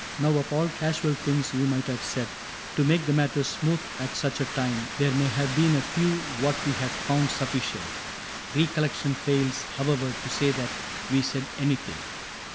Now of all casual things we might have said To make the matter smooth at such a time. 74 CAPTAIN CRAIG There may have been a few that we had found Sufficient. Recollection fails, however, To say that we said anything.